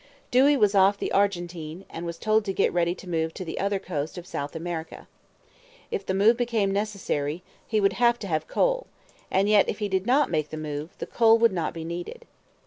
Dewey was off the Argentine, and was told to get ready to move to the other coast of South America. If the move became necessary, he would have to have coal, and yet if he did not make the move, the coal would not be needed.